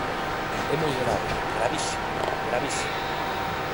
É moi grave, ¡gravísimo!, ¡gravísimo!